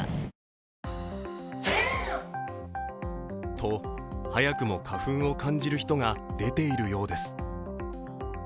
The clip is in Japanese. と早くも花粉を感じる人が出ているようです。